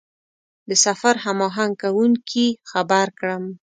د سفر هماهنګ کوونکي خبر کړم.